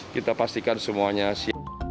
kita pastikan semuanya siap